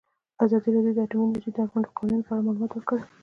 ازادي راډیو د اټومي انرژي د اړونده قوانینو په اړه معلومات ورکړي.